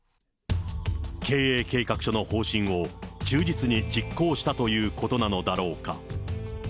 経営計画書の方針を忠実に実行したということなのだろうか。